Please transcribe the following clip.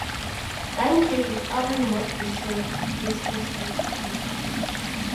Lime cake is often most disrespectful